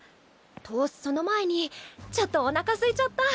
とその前にちょっとおなかすいちゃった。